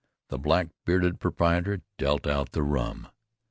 The black bearded proprietor dealt out the rum.